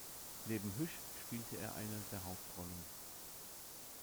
Neben Hüsch spielte er eine der Hauptrollen.